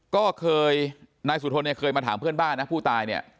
ก็เคยนายสุธนเนี่ยเคยมาถามเพื่อนบ้านนะผู้ตายเนี่ย